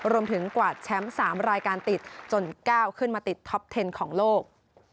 กว่าแชมป์๓รายการติดจนก้าวขึ้นมาติดท็อปเทนของโลก